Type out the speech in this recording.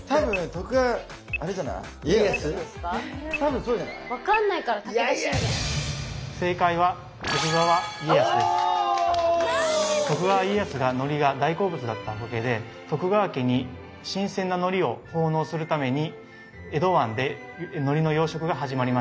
徳川家康がのりが大好物だったおかげで徳川家に新鮮なのりを奉納するために江戸湾でのりの養殖が始まりました。